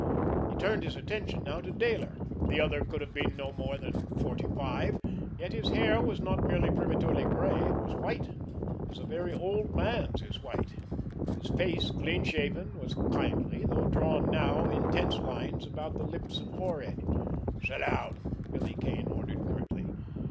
He turned his attention now to Dayler. The other could have been no more than forty five, yet his hair was not merely prematurely gray, it was white, as a very old man's is white; his face, clean shaven, was kindly, though drawn now in tense lines about the lips and forehead. "Sit down!" Billy Kane ordered curtly.